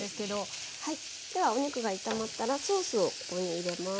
ではお肉が炒まったらソースをここに入れます。